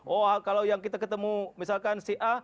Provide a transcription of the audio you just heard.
wah kalau yang kita ketemu misalkan si a